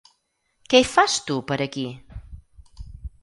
Què hi fas, tu, per aquí?